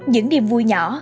những điểm vui nhỏ